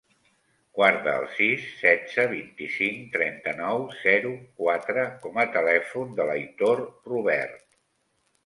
Guarda el sis, setze, vint-i-cinc, trenta-nou, zero, quatre com a telèfon de l'Aitor Rubert.